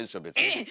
えっ！